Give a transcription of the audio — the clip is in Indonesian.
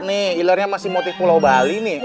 nih ilernya masih motif pulau bali nih